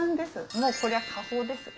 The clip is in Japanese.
もうこりゃ家宝ですね。